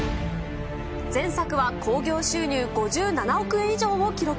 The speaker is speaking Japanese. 前作は興行収入５７億円以上を記録。